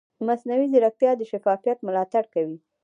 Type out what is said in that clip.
مصنوعي ځیرکتیا د شفافیت ملاتړ کوي.